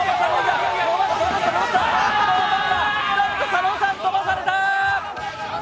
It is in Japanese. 佐野さん、飛ばされた。